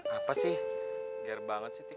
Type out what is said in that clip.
apa sih biar banget sih tik